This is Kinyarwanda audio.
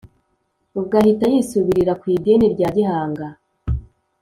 ubwo ahita yisubirira ku idini rya gihanga .